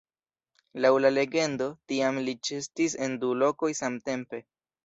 Laŭ la legendo, tiam li ĉeestis en du lokoj samtempe.